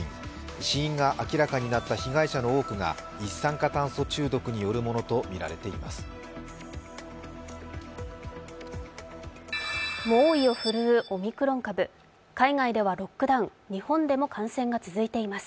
死因が明らかになった被害者の多くが一酸化炭素中毒によるものとみられています。